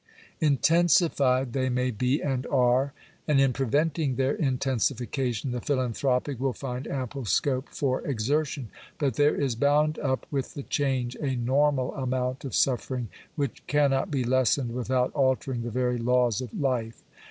326 Intensified they may be, and are ; and in preventing their in tensification, the philanthropic will find ample scope for exertion. But there is bound up with the change a normal amount of suffering, which cannot be lessened without altering the very laws of life.